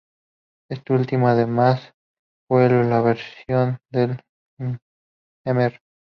Este último, además, fue la versión de Mr.